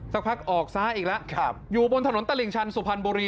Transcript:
สักพักออกซ้ายอีกแล้วอยู่บนถนนตลิ่งชันสุพรรณบุรี